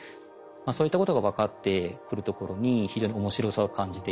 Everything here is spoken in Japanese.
そういったことが分かってくるところに非常に面白さを感じています。